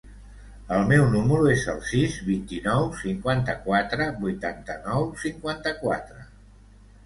El meu número es el sis, vint-i-nou, cinquanta-quatre, vuitanta-nou, cinquanta-quatre.